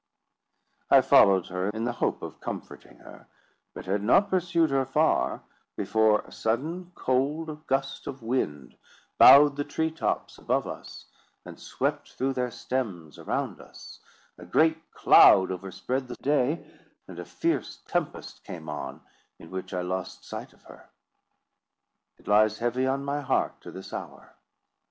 I followed her, in the hope of comforting her; but had not pursued her far, before a sudden cold gust of wind bowed the tree tops above us, and swept through their stems around us; a great cloud overspread the day, and a fierce tempest came on, in which I lost sight of her. It lies heavy on my heart to this hour.